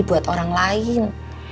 buat orang lain